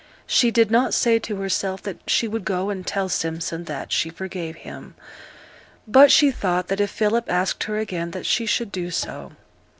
She did not say to herself that she would go and tell Simpson that she forgave him; but she thought that if Philip asked her again that she should do so.